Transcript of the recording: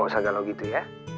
gak usah galau gitu ya